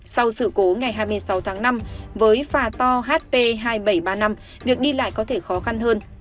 sau sự cố ngày hai mươi sáu tháng năm với phà to hp hai nghìn bảy trăm ba mươi năm việc đi lại có thể khó khăn hơn